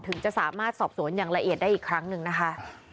จะสามารถสอบสวนอย่างละเอียดได้อีกครั้งหนึ่งนะคะ